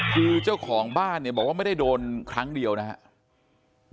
คือเจ้าของบ้านเนี่ยบอกว่าไม่ได้โดนครั้งเดียวนะครับ